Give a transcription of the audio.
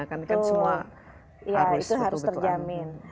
kan semua harus betul betulan